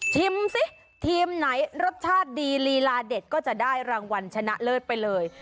สิทีมไหนรสชาติดีลีลาเด็ดก็จะได้รางวัลชนะเลิศไปเลย